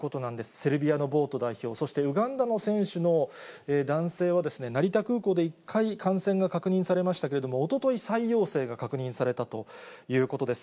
セルビアのボート代表、そしてウガンダの選手の男性は、成田空港で１回感染が確認されましたけれども、おととい再陽性が確認されたということです。